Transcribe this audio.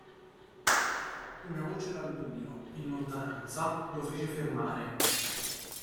Una voce dal buio, in lontananza, lo fece fermare.